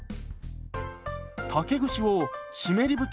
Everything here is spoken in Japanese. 竹串を湿り拭き